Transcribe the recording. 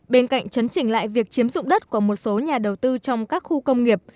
bên cạnh chấn chỉnh lại việc chiếm dụng đất của một số nhà đầu tư trong các khu công nghiệp